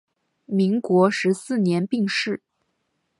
民国十四年病逝。